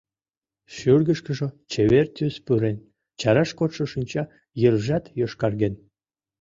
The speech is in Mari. Шӱргышкыжӧ чевер тӱс пурен, чараш кодшо шинча йыржат йошкарген.